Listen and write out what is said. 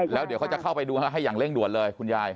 แล้วเดี๋ยวเขาจะเข้าไปดูให้อย่างเร่งด่วนเลยคุณยาย